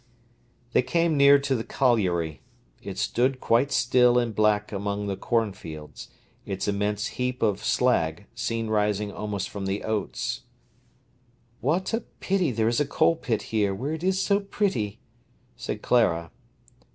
They came near to the colliery. It stood quite still and black among the corn fields, its immense heap of slag seen rising almost from the oats. "What a pity there is a coal pit here where it is so pretty!" said Clara.